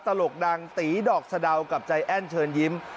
ตลกดังตีดอกสะดาวกับใจแอ้นเชิญยิ้ม